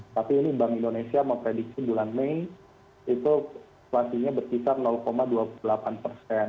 tapi ini bank indonesia memprediksi bulan mei itu inflasinya berkisar dua puluh delapan persen